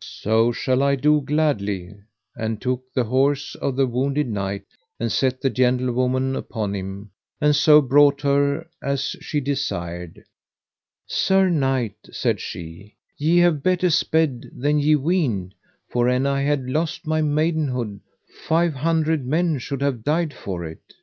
So shall I do gladly: and took the horse of the wounded knight, and set the gentlewoman upon him, and so brought her as she desired. Sir knight, said she, ye have better sped than ye weened, for an I had lost my maidenhead, five hundred men should have died for it.